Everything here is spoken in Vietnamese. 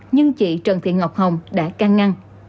nhưng chị trần thị ngọc hồng đã căng ngăn